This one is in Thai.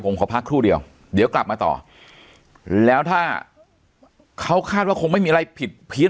ผมขอพักครู่เดียวเดี๋ยวกลับมาต่อแล้วถ้าเขาคาดว่าคงไม่มีอะไรผิดเพี้ยน